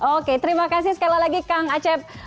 oke terima kasih sekali lagi kang acep